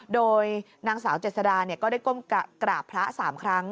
โดยนางสาวเจษดาก็ได้ก้มกราบพระ๓ครั้ง